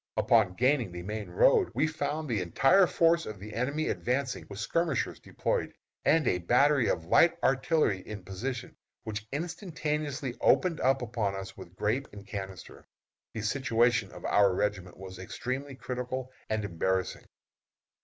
Upon gaining the main road we found the entire force of the enemy advancing with skirmishers deployed, and a battery of light artillery in position, which instantaneously opened upon us with grape and canister. The situation of our regiment was extremely critical and embarrassing.